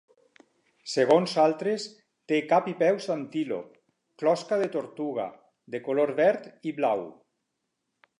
Segons altres, té cap i peus d'antílop, closca de tortuga, de color verd i blau.